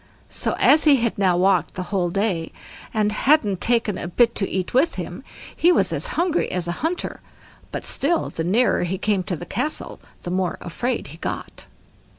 So as he had now walked the whole day and hadn't taken a bit to eat with him, he was as hungry as a hunter, but still the nearer he came to the castle, the more afraid he got.